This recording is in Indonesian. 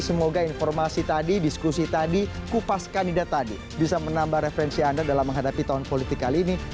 semoga informasi tadi diskusi tadi kupas kandidat tadi bisa menambah referensi anda dalam menghadapi tahun politik kali ini